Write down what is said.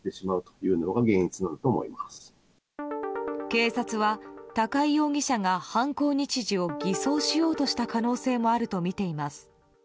警察は高井容疑者が犯行日時を偽装しようとした可能性もあるとみています。